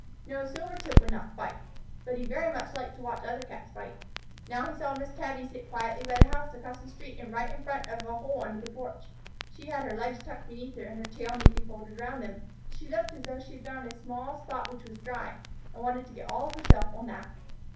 No, Silvertip would not fight. But he very much liked to watch other Cats fight. Now he saw Miss Tabby sit quietly by the house across the street and right in front of a hole under the porch. She had her legs tucked beneath her, and her tail neatly folded around them. She looked as though she had found a small spot which was dry, and wanted to get all of herself on that.